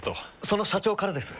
その社長からです。